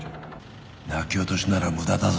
泣き落としなら無駄だぞ。